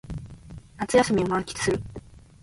夏休みを満喫する